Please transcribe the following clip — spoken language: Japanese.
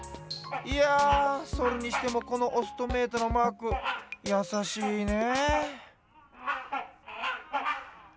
いやそれにしてもこのオストメイトのマークやさしいね。